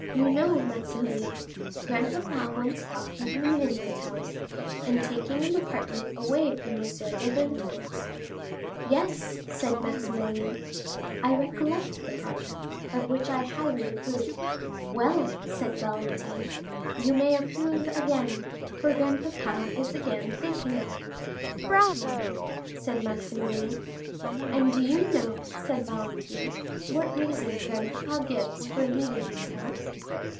You know, Maximilian, grandpapa once thought of leaving this house, and taking an apartment away from M. de Villefort's." "Yes," said Maximilian, "I recollect the project, of which I highly approved." "Well," said Valentine, "you may approve again, for grandpapa is again thinking of it." "Bravo," said Maximilian. 40272m "And do you know," said Valentine, "what reason grandpapa gives for leaving this house."